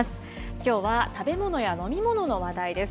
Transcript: きょうは食べ物や飲み物の話題です。